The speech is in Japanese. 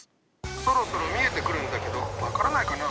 そろそろ見えてくるんだけど分からないかな？